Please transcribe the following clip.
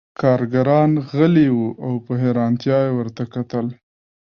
کارګران غلي وو او په حیرانتیا یې ورته کتل